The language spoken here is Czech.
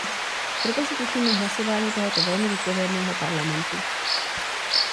Proto se těším na hlasování tohoto velmi zodpovědného Parlamentu.